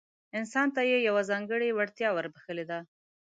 انسان ته يې يوه ځانګړې وړتيا وربښلې ده.